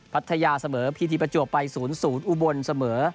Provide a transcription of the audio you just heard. พัทยาเสมอพีทีประจวบไป๐๐อุบลเสมอ